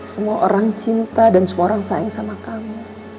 semua orang cinta dan semua orang sayang sama kamu